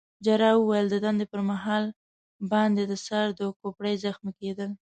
جراح وویل: د دندې پر مهال باندي د سر د کوپړۍ زخمي کېدل.